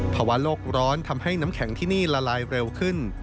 ภาวะโลกร้อนทำให้น้ำแข็งที่นี่ละลายเร็วขึ้น